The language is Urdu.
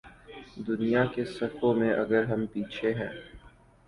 دنیا کی صفوں میں اگر ہم پیچھے ہیں۔